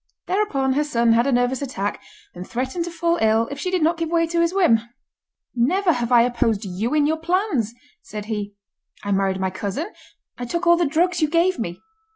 Thereupon her son had a nervous attack, and threatened to fall ill, if she did not give way to his whim. "Never have I opposed you in your plans," said he; "I married my cousin, I took all the drugs you gave me.